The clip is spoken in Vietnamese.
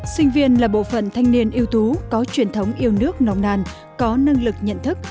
sinh viên là bộ phận thanh niên yêu tú có truyền thống yêu nước nồng nàn có năng lực nhận thức